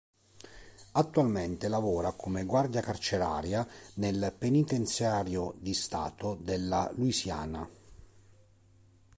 Attualmente lavora come guardia carceraria nel Penitenziario di Stato della Louisiana.